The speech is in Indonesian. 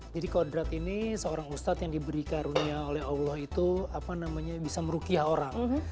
jadi kodrat ini seorang ustadz yang diberi karunia oleh allah itu bisa merukiah orang